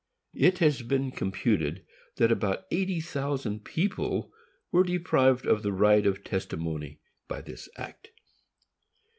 It has been computed that about eighty thousand people were deprived of the right of testimony by this act.